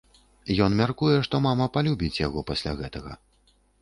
Ён мяркуе, што мама палюбіць яго пасля гэтага.